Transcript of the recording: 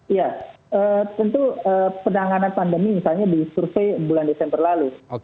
iya tentu penanganan pandemi misalnya di survei bulan desember lalu